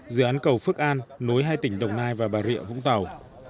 dự án cầu phước an nối hai tỉnh đồng nai và bà rịa vũng tàu